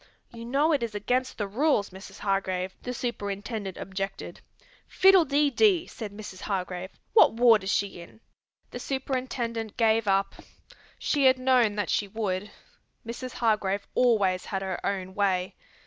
"You know it is against the rules, Mrs. Hargrave," the superintendent objected. "Fiddle dee dee!" said Mrs. Hargrave. "What ward is she in?" The superintendent gave up. She had known that she would. Mrs. Hargrave always had her own way.